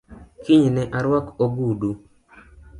Kiny ne aruak ogudu